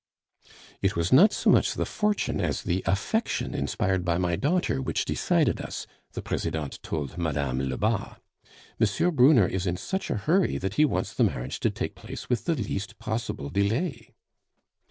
"It was not so much the fortune as the affection inspired by my daughter which decided us," the Presidente told Mme. Lebas. "M. Brunner is in such a hurry that he wants the marriage to take place with the least possible delay."